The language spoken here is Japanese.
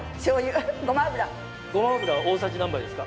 ごま油大さじ何杯ですか？